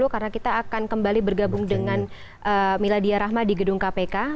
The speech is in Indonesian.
karena kita akan kembali bergabung dengan mila diyarahma di gedung kpk